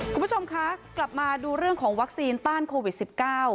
คุณผู้ชมคะกลับมาดูเรื่องของวัคซีนต้านโควิด๑๙